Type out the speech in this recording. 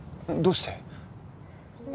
どうして？